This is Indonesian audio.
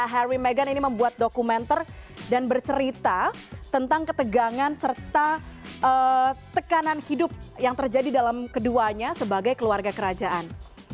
harry meghan ini membuat dokumenter dan bercerita tentang ketegangan serta tekanan hidup yang terjadi dalam keduanya sebagai keluarga kerajaan